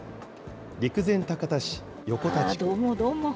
陸前高田市横田地区。